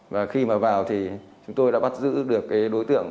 và khi mà vào thì chúng tôi đã bắt giữ được cái đối tượng